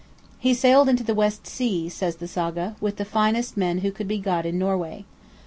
"He sailed into the west sea," says the Saga, "with the finest men who could be got in Norway.